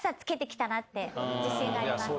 自信があります。